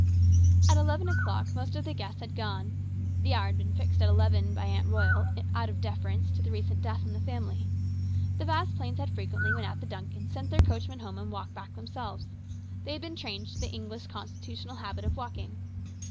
At eleven o'clock most of the guests had gone. The hour had been fixed at eleven by Aunt Royal out of deference to the recent death in the family. The Vasplaines had frequently, when at the Duncans', sent their coachman home and walked back themselves. They had been trained to the English constitutional habit of walking.